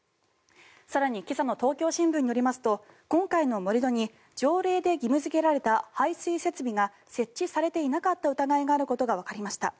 更に今朝の東京新聞によりますと今回の盛り土に条例で義務付けられた排水設備が設置されていなかった疑いがあることがわかりました。